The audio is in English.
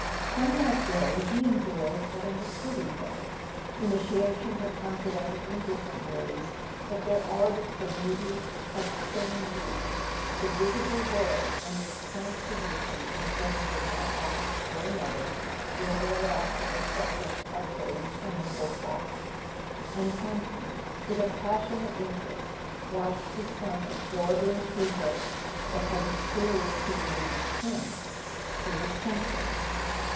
From that day he and George had understood each other. Initiation had come to them in different ways, but their ardour for beauty had the same root. The visible world, and its transposition in terms of one art or another, were thereafter the subject of their interminable talks; and Campton, with a passionate interest, watched his son absorbing through books what had mysteriously reached him through his paint¬ brush.